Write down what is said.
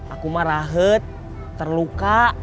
aku marahet terluka